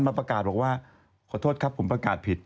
ประกาศบอกว่าขอโทษครับผมประกาศผิด